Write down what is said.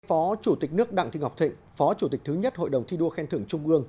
phó chủ tịch nước đặng thị ngọc thịnh phó chủ tịch thứ nhất hội đồng thi đua khen thưởng trung ương